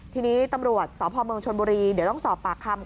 ทีนี้ตำรวจสพเมืองชนบุรีเดี๋ยวต้องสอบปากคำ